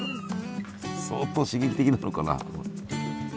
相当刺激的なのかな？